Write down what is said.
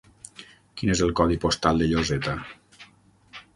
Quin és el codi postal de Lloseta?